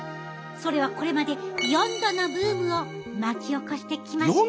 それはこれまで４度のブームを巻き起こしてきました。